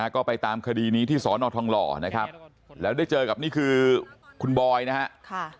ก็ไปตามคดีนี้ที่สอนอทองหล่อนะครับแล้วได้เจอกับนี่คือคุณบอยนะครับ